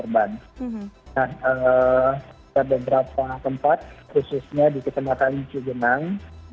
dan di beberapa tempat khususnya di kecamatan cugenang